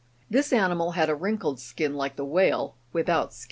This animal had a wrinkled skin, like the whale, without scales.